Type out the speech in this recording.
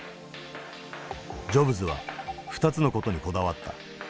ジョブズは２つの事にこだわった。